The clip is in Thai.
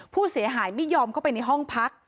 ผู้เสียหายไม่ยอมเข้าไปในห้องพัก